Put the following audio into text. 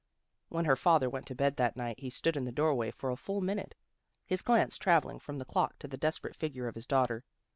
When her father went to bed that night he stood in the doorway for a full minute, his glance travelling from the clock to the desperate figure of his daughter.